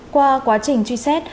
qua quá trình truy xét